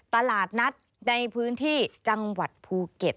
ตลาดนัดในพื้นที่จังหวัดภูเก็ต